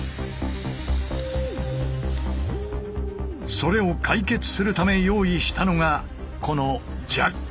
それを解決するため用意したのがこのジャッキ。